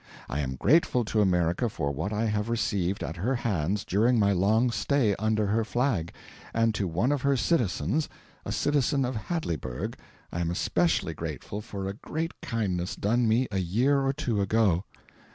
I am grateful to America for what I have received at her hands during my long stay under her flag; and to one of her citizens a citizen of Hadleyburg I am especially grateful for a great kindness done me a year or two ago.